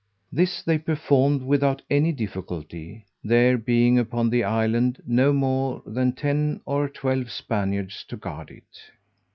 This they performed without any difficulty, there being upon the island no more than ten or twelve Spaniards to guard it.